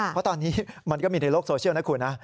เพราะตอนนี้มันก็มีในโลกโซเชียลนะคุณนะ